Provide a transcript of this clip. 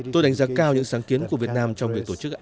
tôi đánh giá cao những sáng kiến của việt nam trong việc tổ chức